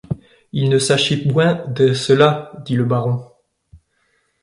Il ne s’achit boint te cela, dit le baron.